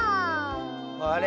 あれ？